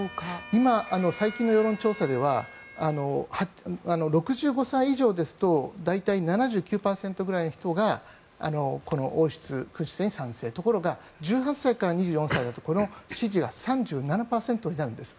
今、最近の世論調査では６５歳以上ですと大体、７９％くらいの人が王室君主制に賛成ところが１８歳から２４歳だとこの支持が３７％になるんです。